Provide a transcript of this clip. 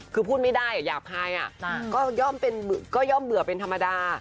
คือพูดไม่ได้หยาบคายก็ย่อมเบื่อเป็นธรรมดา